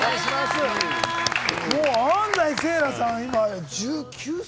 安斉星来さん、今１９歳？